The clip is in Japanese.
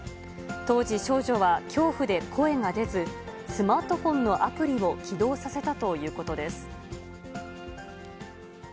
当時、少女は恐怖で声が出ず、スマートフォンのアプリを起動させたということです。